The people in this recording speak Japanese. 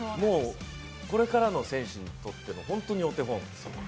これからの選手にとっての本当にお手本。